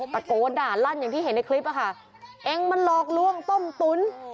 ตะโกนด่าลั่นอย่างที่เห็นในคลิปอะค่ะเองมันหลอกล่วงต้มตุ๋น